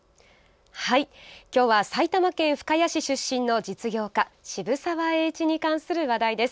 今日は埼玉県深谷市出身の実業家渋沢栄一に関する話題です。